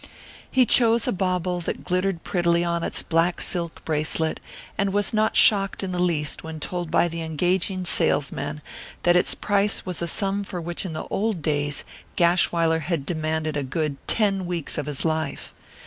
He chose a bauble that glittered prettily on its black silk bracelet, and was not shocked in the least when told by the engaging salesman that its price was a sum for which in the old days Gashwiler had demanded a good ten weeks of his life.